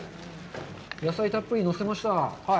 野菜たっぷり、のせました。